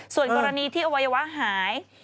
ส่วนกรณีที่อวัยวะหาย